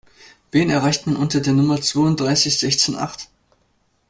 Wen erreicht man unter der Nummer zwounddreißig sechzehn acht?